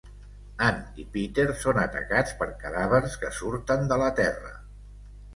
Anne i Peter són atacats per cadàvers que surten de la terra.